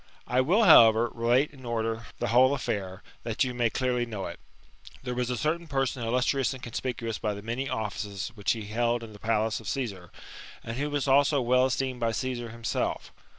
I will, however, relate in order the whole affair, that you may clearly know it. " There was a certain person illustrious and conspicuous by the many offices* which he held in the palace of Csssar, and who was also well esteemed by Caesar himself.